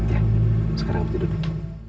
ya sekarang berduduk